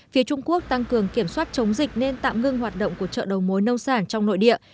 phía trung quốc tăng cường kiểm soát chống dịch nên tạm ngưng hoạt động của chợ đầu mối nông sản trong nội địa